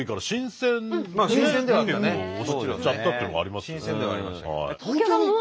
押しちゃったっていうのはありますね。